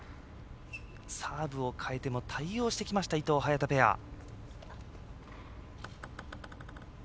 サーブを変えても対応してきました伊藤、早田ペア。